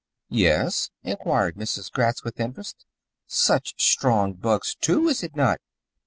"Yes?" inquired Mrs. Gratz with interest. "Such strong bugs, too, is it not?"